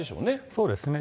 そうですね。